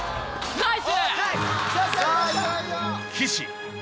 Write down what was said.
ナイス！